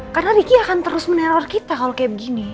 karena riki akan terus meneror kita kalau kayak begini